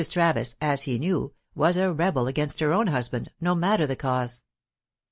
Travis, as he knew, was a rebel against her own husband no matter the cause.